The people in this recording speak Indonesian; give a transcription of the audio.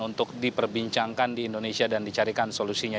untuk diperbincangkan di indonesia dan dicarikan solusinya